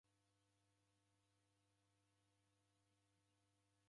Naw'anywa chai cha rangi.